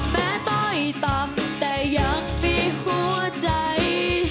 ต้อยต่ำแต่ยังมีหัวใจ